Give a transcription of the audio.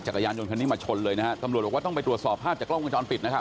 จักรยานยนต์คันนี้มาชนเลยนะฮะตำรวจบอกว่าต้องไปตรวจสอบภาพจากกล้องวงจรปิดนะครับ